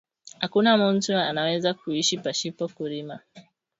Akuna muntu ana weza ku ishi pashipo ku rima